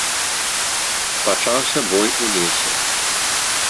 Пачаўся бой у лесе.